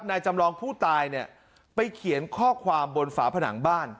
จำลองผู้ตายเนี่ยไปเขียนข้อความบนฝาผนังบ้าน